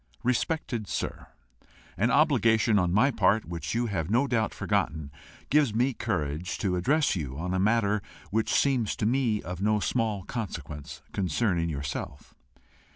"Respected Sir, "An obligation on my part which you have no doubt forgotten gives me courage to address you on a matter which seems to me of no small consequence concerning yourself.